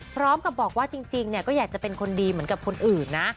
พร้อมกับบอกว่าจริงก็อยากจะเป็นคนดีเหมือนกับคนอื่นนะ